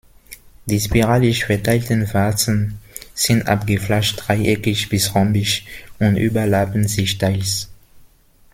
Die spiralig verteilten Warzen sind abgeflacht dreieckig bis rhombisch und überlappen sich teils.